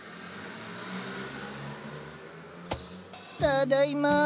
ただいま。